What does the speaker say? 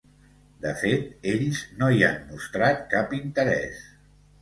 De fet, ells no hi han mostrat cap interès.